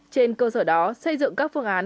trên cơ sở đó xây dựng các phương án